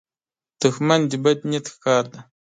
دښمن د بد نیت ښکار دی